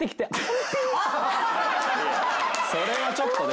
それはちょっとね。